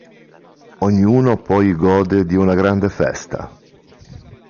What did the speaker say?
Ognuno poi gode di una grande festa.